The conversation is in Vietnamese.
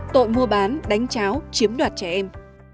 tội mua bán đánh cháo chiếm đoạt trẻ em